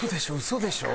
嘘でしょ？